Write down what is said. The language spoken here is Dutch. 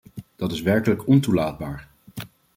Dat is werkelijk ontoelaatbaar.